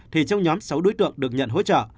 thì trong nhóm sáu đối tượng được nhận hỗ trợ